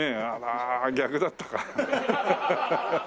あら逆だったか。